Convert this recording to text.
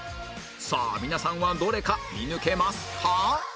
さあ皆さんはどれか見抜けますか？